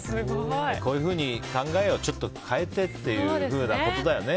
こういうふうに考えをちょっと変えてということだね。